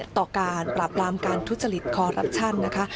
ต่อการปราบรามการทุจริตคอรัปชั่นนะคะ